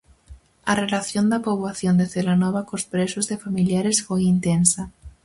A relación da poboación de Celanova cos presos e familiares foi intensa.